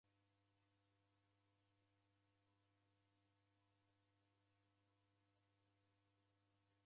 Neka kwake ata siendie kwapo